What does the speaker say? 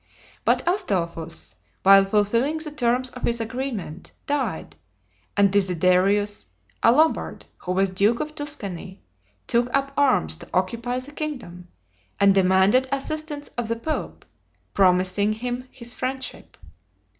But Astolphus, while fulfilling the terms of his agreement, died, and Desiderius, a Lombard, who was duke of Tuscany, took up arms to occupy the kingdom, and demanded assistance of the pope, promising him his friendship.